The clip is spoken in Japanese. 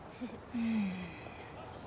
うん。